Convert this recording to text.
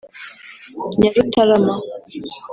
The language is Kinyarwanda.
Nyarutarama